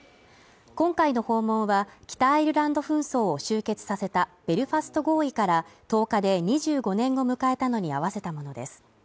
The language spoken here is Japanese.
今回の訪問は、北アイルランド紛争を終結させたベルファスト合意から１０日で２５年を迎えたのに合わせたものです。